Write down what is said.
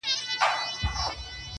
لکه باغوان چي پر باغ ټک وهي لاسونه!!